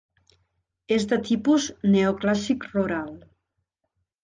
És de tipus neoclàssic rural.